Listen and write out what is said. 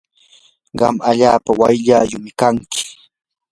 qam allaapa wayllaayumi kanki.